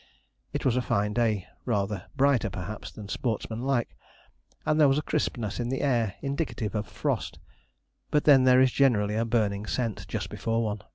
It was a fine day, rather brighter perhaps, than sportsmen like, and there was a crispness in the air indicative of frost, but then there is generally a burning scent just before one.